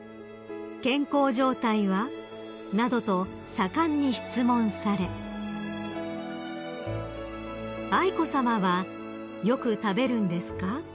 「健康状態は？」などと盛んに質問され愛子さまは「よく食べるんですか？」